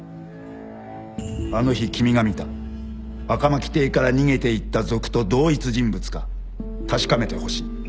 あの日君が見た赤巻邸から逃げていった賊と同一人物か確かめてほしい。